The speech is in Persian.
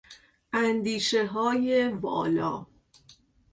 اندیشههای والا